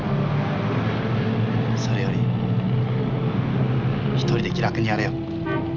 それより一人で気楽にやれよ。